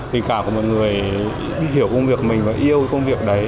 tình cảm của một người đi hiểu công việc mình và yêu công việc đấy